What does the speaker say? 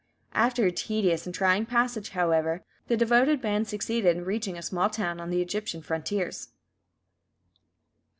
After a tedious and trying passage, however, the devoted band succeeded in reaching a small town on the Egyptian frontiers.